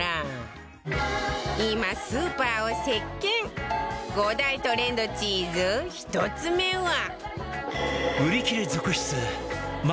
今スーパーを席巻５大トレンドチーズ１つ目は